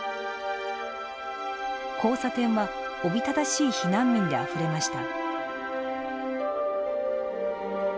交差点はおびただしい避難民であふれました。